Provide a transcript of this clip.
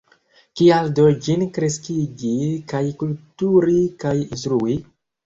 Kial do ĝin kreskigi kaj kulturi kaj instrui?